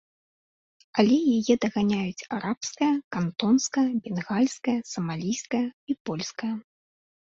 Але яе даганяюць арабская, кантонская, бенгальская, самалійская і польская.